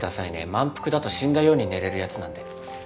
満腹だと死んだように寝れるやつなんで。